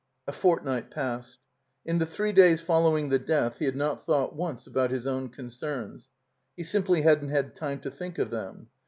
A fortnight passed. In the three days following the death he had not thought once about his own concerns. He simply hadn't time to think of them.